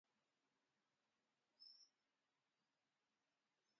Al davant, bona cara, i, per darrere, punyalada.